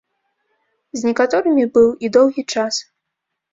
З некаторымі быў, і доўгі час.